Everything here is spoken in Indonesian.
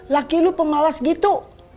laki lu pemalas gitu